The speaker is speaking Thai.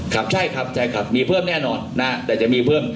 ครับใช่ครับใช่ครับมีเพิ่มแน่นอนนะแต่จะมีเพิ่ม